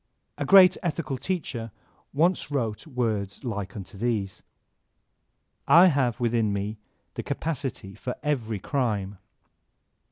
A great ethical teacher once wrote words like unto these: "I have within me the capacity for every crime."